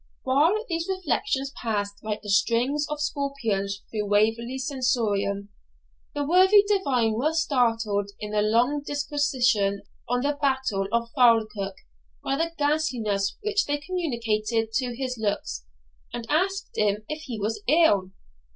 While these reflections passed like the stings of scorpions through Waverley's sensorium, the worthy divine was startled in a long disquisition on the battle of Falkirk by the ghastliness which they communicated to his looks, and asked him if he was ill?